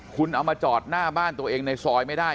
คุณเอามาจอดหน้าบ้านตัวเองในซอยไม่ได้